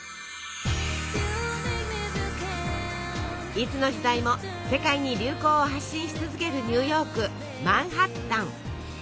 いつの時代も世界に流行を発信し続けるニューヨークマンハッタン。